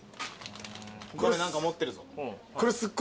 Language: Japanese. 岡部何か持ってるぞ。